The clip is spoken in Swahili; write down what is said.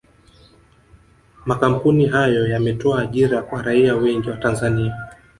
Makampuni hayo yametoa ajira kwa raia wengi wa Tanzania